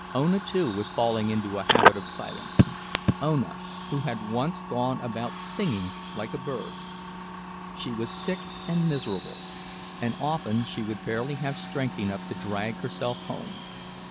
Ona, too, was falling into a habit of silence—Ona, who had once gone about singing like a bird. She was sick and miserable, and often she would barely have strength enough to drag herself home.